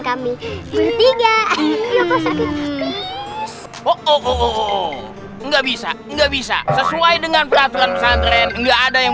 kami bertiga oh nggak bisa nggak bisa sesuai dengan peraturan pesantren enggak ada yang